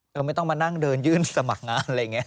เราไม่ต้องมานั่งเดินยื่นสมัครงานอะไรอย่างนี้